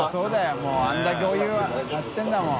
もうあれだけお湯やってるんだもん。